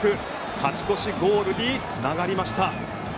勝ち越しゴールに繋がりました。